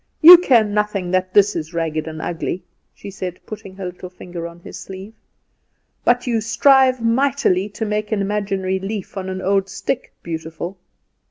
You care nothing that this is ragged and ugly," she said, putting her little finger on his sleeve; "but you strive mightily to make an imaginary leaf on an old stick beautiful.